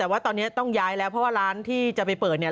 แต่ว่าตอนนี้ต้องย้ายแล้วเพราะว่าร้านที่จะไปเปิดเนี่ย